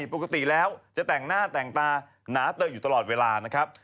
ปกติแล้วจะแต่งหน้าแต่งตาหนาเติมอยู่ตลอดเวลานะครับ